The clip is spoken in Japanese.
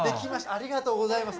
ありがとうございます。